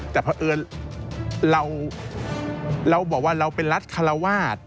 แต่เพราะเอิญเราบอกว่าเราเป็นรัฐคาราวาส